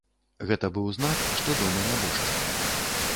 Гэта быў знак, што дома нябожчык.